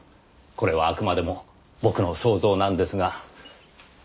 これはあくまでも僕の想像なんですが。